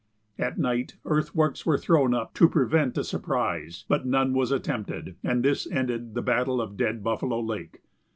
At night earthworks were thrown up to prevent a surprise, but none was attempted, and this ended the battle of Dead Buffalo Lake.